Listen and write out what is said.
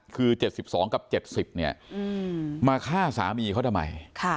คือ๗๒กับ๗๐เนี่ยมาฆ่าสามีเขาทำไม